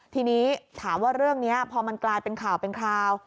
ทีนี้ถามว่าเรื่องนี้พอมันกลายเป็นข่าวเป็นคราว